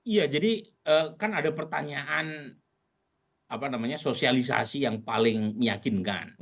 iya jadi kan ada pertanyaan sosialisasi yang paling meyakinkan